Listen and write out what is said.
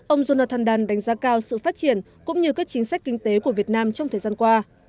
ông jonathandan đánh giá cao sự phát triển cũng như các chính sách kinh tế của việt nam trong thời gian qua